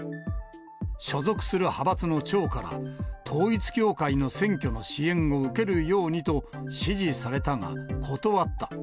所属する派閥の長から統一教会の選挙の支援を受けるようにと、指示されたが、断った。